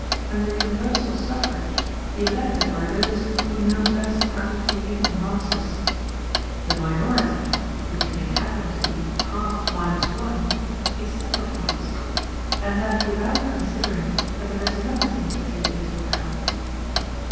Under universal suffrage, the elected are those who know best how to take in the masses. The minority, which may happen to be half minus one, is sacrificed. And that without considering that there is another thing to take into account.